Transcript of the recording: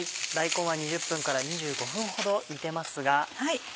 大根は２０分から２５分ほど煮てますが。